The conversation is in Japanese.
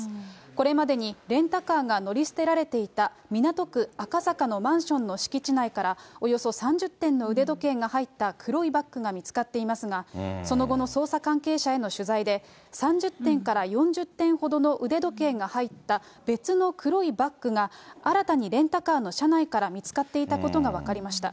これまでにレンタカーが乗り捨てられていた、港区赤坂のマンションの敷地内から、およそ３０点の腕時計が入った黒いバッグが見つかっていますが、その後の捜査関係者への取材で、３０点から４０点ほどの腕時計が入った別の黒いバッグが、新たにレンタカーの車内から見つかっていたことが分かりました。